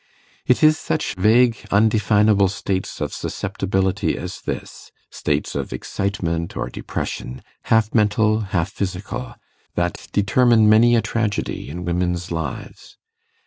It is such vague undefinable states of susceptibility as this states of excitement or depression, half mental, half physical that determine many a tragedy in women's lives.